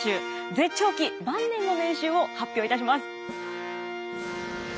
絶頂期晩年の年収を発表いたします。